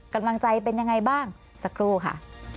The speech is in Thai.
กำลังใจเป็นยังไงบ้างสักครู่ค่ะ